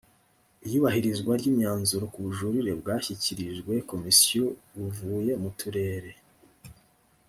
iyubahirizwa ry imyanzuro k ubujurire bwashyikirijwe komisiyo buvuye mu turere